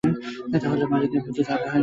তা হলে মালীদের বুঝি জাগায় না ইচ্ছে করেই?